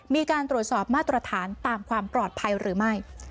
มีการตรวจสอบมาตรฐานตามความปลอดภัยหรือไม่